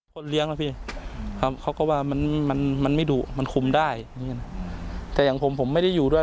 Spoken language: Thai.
คนเลี้ยงนะพี่เขาก็ว่ามันไม่ดุมันคุ้มได้แต่อย่างผมผมไม่ได้อยู่ด้วย